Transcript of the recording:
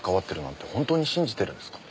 本当に信じてるんですか？